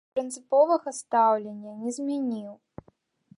Я прынцыповага стаўлення не змяніў.